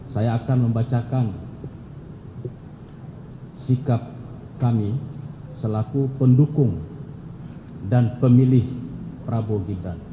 saya akan membacakan sikap kami selaku pendukung dan pemilih prabowo gibran